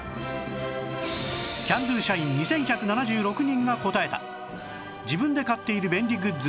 キャンドゥ社員２１７６人が答えた自分で買っている便利グッズ